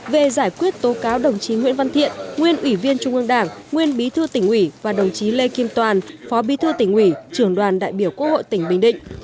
về giải quyết tố cáo đồng chí nguyễn văn thiện nguyên ủy viên trung ương đảng nguyên bí thư tỉnh ủy và đồng chí lê kim toàn phó bí thư tỉnh ủy trưởng đoàn đại biểu quốc hội tỉnh bình định